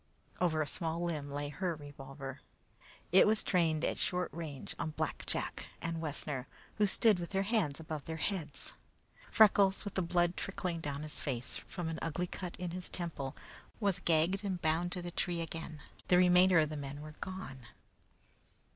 Over a small limb lay her revolver. It was trained at short range on Black Jack and Wessner, who stood with their hands above their heads. Freckles, with the blood trickling down his face, from an ugly cut in his temple, was gagged and bound to the tree again; the remainder of the men were gone.